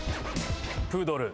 プードル。